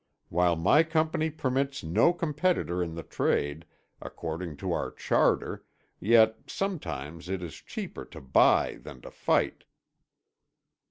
While my Company permits no competitor in the trade, according to our charter, yet sometimes it is cheaper to buy than to fight."